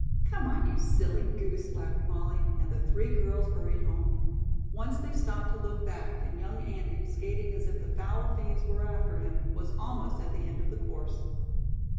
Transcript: "Come on, you silly goose," laughed Molly, and the three girls hurried home. Once they stopped to look back, and young Andy, skating as if the foul fiends were after him, was almost at the end of the course.